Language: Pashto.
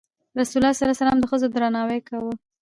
رسول الله د ښځو درناوی کاوه.